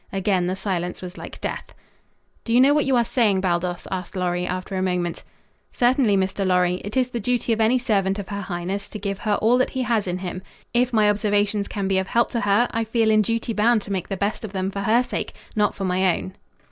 Again the silence was like death. "Do you know what you are saying, Baldos?" asked Lorry, after a moment. "Certainly, Mr. Lorry. It is the duty of any servant of her highness to give her all that he has in him. If my observations can be of help to her, I feel in duty bound to make the best of them for her sake, not for my own."